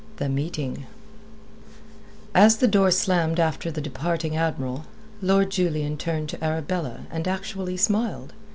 THE MEETING As the door slammed after the departing Admiral, Lord Julian turned to Arabella, and actually smiled.